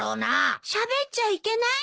しゃべっちゃいけないの？